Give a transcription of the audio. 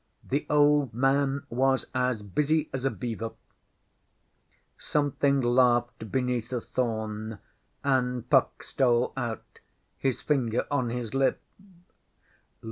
The old man was as busy as a beaver. Something laughed beneath a thorn, and Puck stole out, his finger on his lip.